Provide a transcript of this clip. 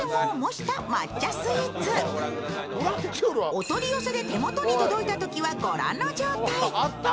お取り寄せで手元に届いたときは、御覧の状態。